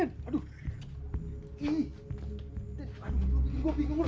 makanya ke shadow atau ada mpinggir pet